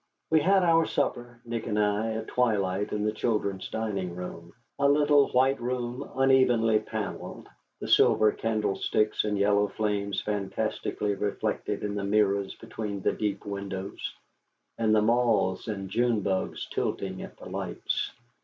We had our supper, Nick and I, at twilight, in the children's dining room. A little white room, unevenly panelled, the silver candlesticks and yellow flames fantastically reflected in the mirrors between the deep windows, and the moths and June bugs tilting at the lights.